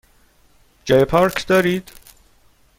جای پارک دارید؟